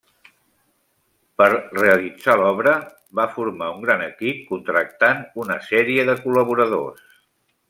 Per realitzar l'obra va formar un gran equip contractant una sèrie de col·laboradors.